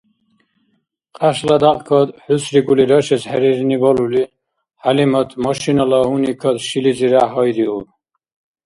Кьяшла дякькад хӀусрикӀули рашес хӀерирни балули, ХӀялимат машинала гьуникад шилизиряхӀ гьайриуб.